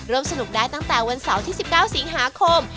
เริ่มสนุกได้ตั้งแต่วันเสาร์สิบเก้าสิงหาคม